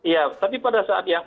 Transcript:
tapi pada saat yang